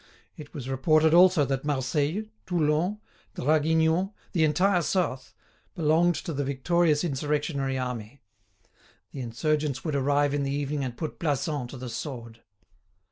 It was reported also that Marseilles, Toulon, Draguignan, the entire South, belonged to the victorious insurrectionary army. The insurgents would arrive in the evening and put Plassans to the sword.